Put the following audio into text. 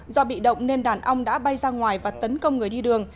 do bị động nên đàn ong đã bay ra ngoài và tấn công người đi đường